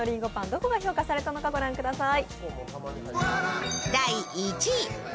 どこが評価されたのか御覧ください。